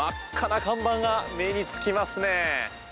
真っ赤な看板が目につきますね。